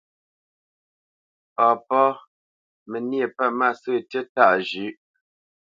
Papá: Mə níe pə̂ mâsə̂ tíí tâʼ zhʉ̌ʼ.